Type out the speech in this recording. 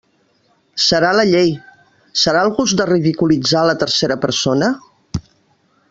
Serà la llei, serà el gust de ridiculitzar la tercera persona?